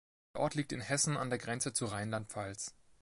Der Ort liegt in Hessen an der Grenze zu Rheinland-Pfalz.